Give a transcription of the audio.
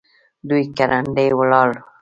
دوی ګړندي ولاړل.